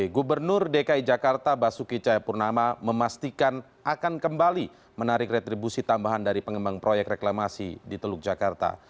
gubernur dki jakarta basuki cahayapurnama memastikan akan kembali menarik retribusi tambahan dari pengembang proyek reklamasi di teluk jakarta